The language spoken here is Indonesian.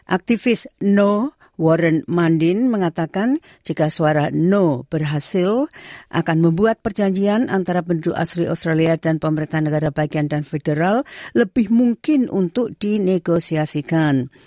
aktivis no warren mandin mengatakan jika suara no berhasil akan membuat perjanjian antara penduduk asli australia dan pemerintah negara bagian dan federal lebih mungkin untuk dinegosiasikan